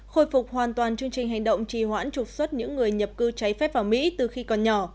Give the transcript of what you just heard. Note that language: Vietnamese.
khôi phục hoàn toàn chương trình hành động trì hoãn trục xuất những người nhập cư cháy phép vào mỹ từ khi còn nhỏ